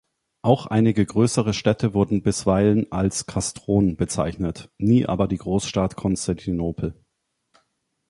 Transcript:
Auch einige größere Städte wurden bisweilen als "kastron" bezeichnet, nie aber die Großstadt Konstantinopel.